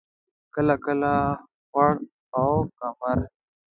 کله لکه خوړ او کمر.